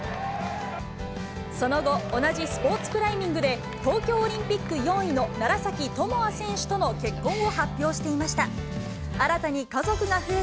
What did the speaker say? その後、同じスポーツクライミングで、東京オリンピック４位の楢崎智亜選手との結婚を発表していました。